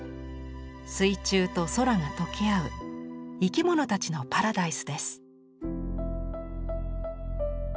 水中と空が溶け合う生き物たちのパラダイスです。